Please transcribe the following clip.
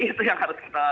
jadi itu yang harus kita